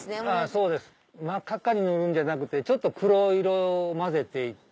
そうです真っ赤っかに塗るんじゃなくてちょっと黒色を混ぜて。